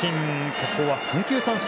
ここは三球三振。